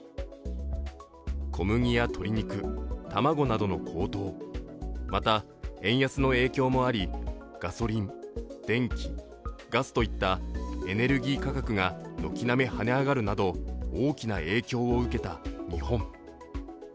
小麦や鶏肉、卵などの高騰、また、円安の影響もありガソリン、電気、ガスといったエネルギー価格が軒並み跳ね上がるなど大きな影響を受けた日本。